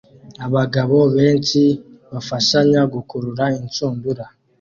Abagabo benshi bafashanya gukurura inshundura